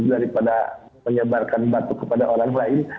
jadi daripada menyebarkan batuk kepada orang lain